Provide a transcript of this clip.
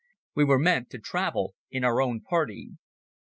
We were meant to travel in our own party.